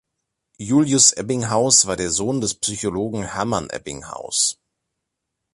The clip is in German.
Julius Ebbinghaus war der Sohn des Psychologen Hermann Ebbinghaus.